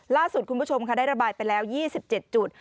ล่าสุดคุณผู้ชมค่ะได้ระบายไปแล้ว๒๗จุด